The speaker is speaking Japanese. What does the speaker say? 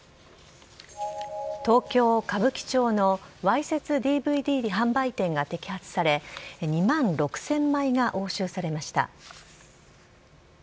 東京・歌舞伎町のわいせつＤＶＤ販売店が摘発され、２万６０００枚が押収されました。